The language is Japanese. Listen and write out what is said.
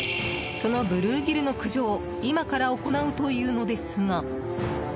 そのブルーギルの駆除を今から行うというのですが。